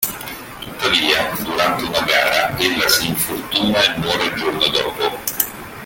Tuttavia, durante una gara, ella si infortuna e muore il giorno dopo.